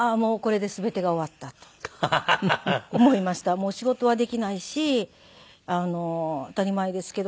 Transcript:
もう仕事はできないし当たり前ですけど。